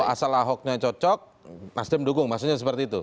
asal ahoknya cocok nasdem dukung maksudnya seperti itu